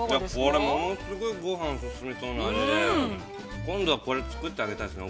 ◆これ、物すごいご飯進みそうな味で、今度はこれ作ってあげたいですね